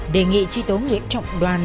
đề nghị truy tố nguyễn trọng đoàn